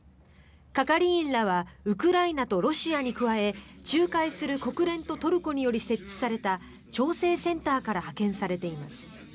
係員らはウクライナとロシアに加え仲介する国連とトルコにより設置された調整センターから派遣されています。